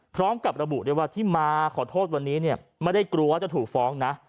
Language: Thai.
พร้อมกับระบุด้วยว่าที่มาขอโทษวันนี้เนี่ยไม่ได้กลัวจะถูกฟ้องนะ